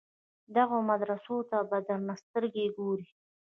دغو مدرسو ته په درنه سترګه ګوري.